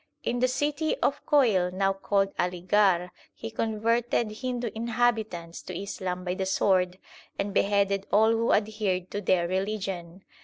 In the city of Koil, now called Aligarh, he converted Hindu inhabitants to Islam by the sword and beheaded all who adhered to their religion.